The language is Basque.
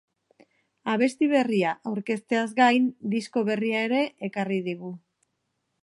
Abesti berria aurkezteaz gain, disko berria ere ekarri digu.